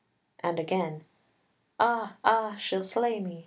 And again "Ah, ah, she'll slay me!